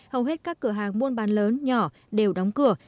hầu hết các cửa hàng buôn bán lớn nhỏ đều đóng cửa